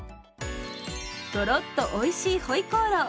とろっとおいしいホイコーロー。